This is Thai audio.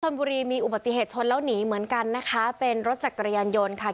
ชนบุรีมีอุบัติเหตุชนแล้วหนีเหมือนกันนะคะเป็นรถจักรยานยนต์ค่ะ